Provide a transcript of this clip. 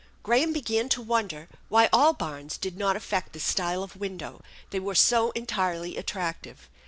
Graham began to wonder why all 92 THE ENCHANTED BARN barns did not affect this style of window, they were so entirely attractive.